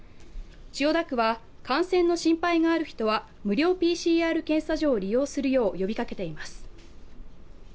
千代田区は、感染の心配がある人は無料ＰＣＲ検査所を利用するよう呼びかけています。